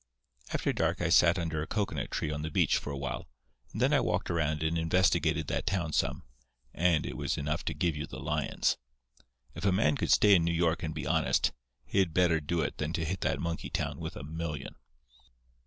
"After dark I sat under a cocoanut tree on the beach for a while, and then I walked around and investigated that town some, and it was enough to give you the lions. If a man could stay in New York and be honest, he'd better do it than to hit that monkey town with a million.